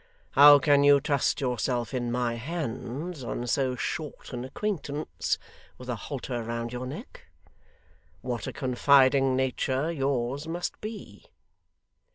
How can you trust yourself in my hands on so short an acquaintance, with a halter round your neck? What a confiding nature yours must be!